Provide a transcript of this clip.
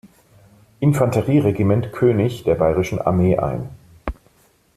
Infanterie-Regiment „König“ der Bayerischen Armee ein.